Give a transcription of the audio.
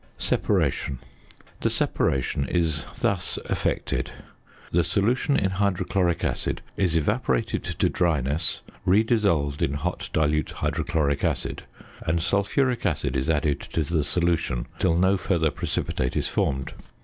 ~Separation.~ The separation is thus effected: The solution in hydrochloric acid is evaporated to dryness, re dissolved in hot dilute hydrochloric acid, and sulphuric acid is added to the solution till no further precipitate is formed.